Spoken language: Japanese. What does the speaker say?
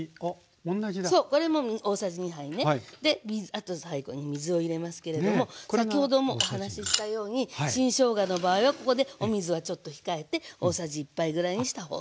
あと最後に水を入れますけれども先ほどもお話ししたように新しょうがの場合はここでお水はちょっと控えて大さじ１杯ぐらいにしたほうが。